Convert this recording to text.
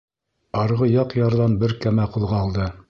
Арғы яҡ ярҙан бер кәмә ҡуҙғалды.